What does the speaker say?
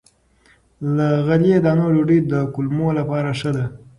له غلې- دانو ډوډۍ د کولمو لپاره ښه ده.